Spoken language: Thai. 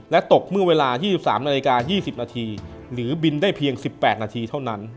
และตกเมื่อเวลา๒๓นาฬิกา๒๐นาทีหรือบินได้เพียง๑๘นาทีเท่านั้น